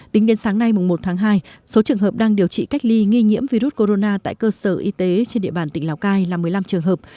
tính đến sáng nay một tháng hai số trường hợp đang điều trị cách ly nghi nhiễm virus corona tại cơ sở y tế trên địa bàn tỉnh lào cai là một mươi năm trường hợp